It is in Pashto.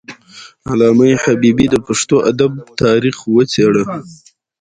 علامه حبيبي د پښتو ادب تاریخ وڅیړه.